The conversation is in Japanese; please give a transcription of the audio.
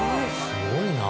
すごいな。